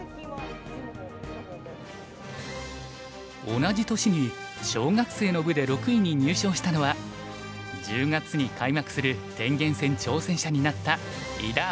同じ年に小学生の部で６位に入賞したのは１０月に開幕する天元戦挑戦者になった伊田篤史さん。